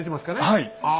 はい。